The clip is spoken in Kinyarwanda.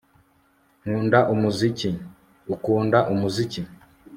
Nkunda umuziki Ukunda umuziki